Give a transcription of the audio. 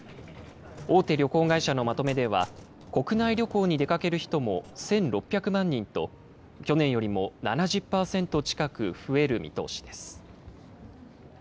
大手旅行会社のまとめでは、国内旅行に出かける人も１６００万人と、去年よりも７０％近く増える見通しです。